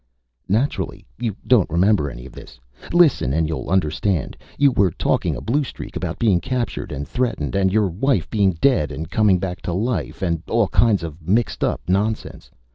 "Naturally you don't remember any of this. Listen and you'll understand. You were talking a blue streak about being captured and threatened, and your wife being dead and coming back to life, and all kinds of mixed up nonsense.